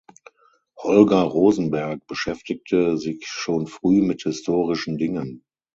Holger Rosenberg beschäftigte sich schon früh mit historischen Dingen.